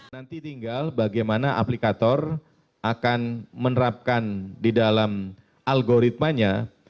nanti tinggal bagaimana aplikator akan menerapkan di dalam algoritmanya